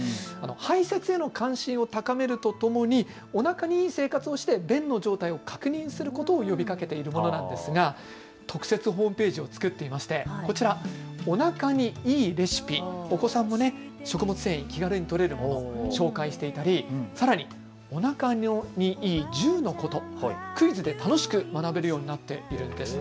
排せつへの関心を高めるとともにおなかにいい生活をして便の状態を確認することを呼びかけているものなんですが特設ホームページを作っていましておなかにいいレシピお子さんも食物繊維、気軽にとれるもの、紹介していたりおなかにいい１０のこと、クイズで楽しく学べるようになっているんです。